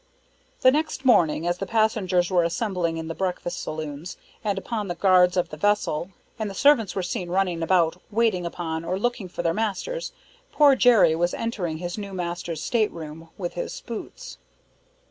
The next morning, as the passengers were assembling in the breakfast saloons and upon the guards of the vessel, and the servants were seen running about waiting upon or looking for their masters, poor Jerry was entering his new master's stateroom with his boots.